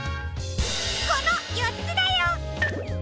このよっつだよ！